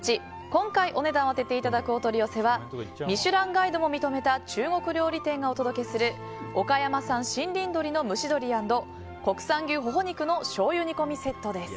今回お値段を当てていただくお取り寄せは「ミシュランガイド」も認めた中国料理店がお届けする岡山産森林鶏の蒸し鶏＆国産牛ほほ肉の醤油煮込みセット。